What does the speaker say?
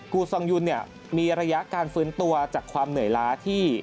ูซองยุนเนี่ยมีระยะการฟื้นตัวจากความเหนื่อยล้าที่